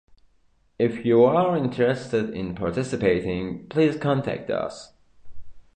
If you are interested in participating, please contact us.